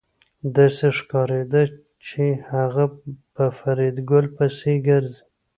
داسې ښکارېده چې هغه په فریدګل پسې ګرځي